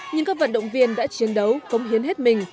nhưng các vận động viên đã chiến đấu cống hiến hết mình